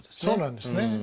そうなんですね。